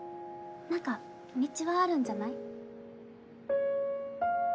何か道はあるんじゃない？